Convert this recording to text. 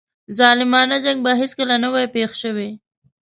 ظالمانه جنګ به هیڅکله نه وای پېښ شوی.